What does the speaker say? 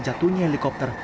dan mengembangkan helikopter